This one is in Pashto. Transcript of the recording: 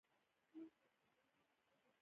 خولۍ د ښځو لخوا هم ګنډل کېږي.